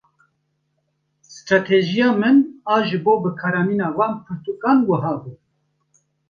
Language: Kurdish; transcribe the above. Stratejiya min a ji bo bikaranîna van pirtûkan wiha bû.